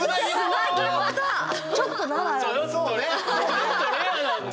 ちょっとレアなんだよ。